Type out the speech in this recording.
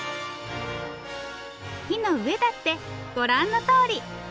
木の上だってご覧のとおり！